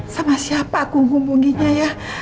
sama siapa aku hubunginya ya